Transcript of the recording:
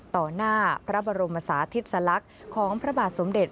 หน้าพระบรมศาธิสลักษณ์ของพระบาทสมเด็จ